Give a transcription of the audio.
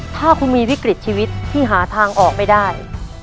ถ้าคุณมีวิกฤตชีวิตที่หาทางออกไม่ได้